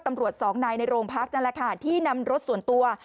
ตำรวจสองนายในโรงพักนั่นแหละค่ะที่นำรถส่วนตัว